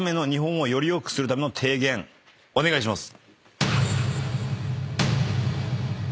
お願いします。